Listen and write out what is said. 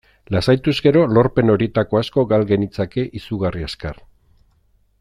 Lasaituz gero, lorpen horietako asko gal genitzake izugarri azkar.